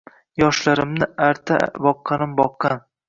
Yoshlarimni arta boqqanim-boqqan.